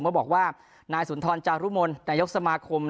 ก็บอกว่านายสุนทรจารุมลนายกสมาคม